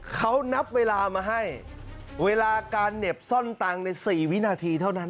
เขานับเวลามาให้เวลาการเหน็บซ่อนตังค์ใน๔วินาทีเท่านั้น